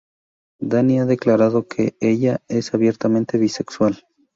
Dani ha declarado que ella es abiertamente bisexual.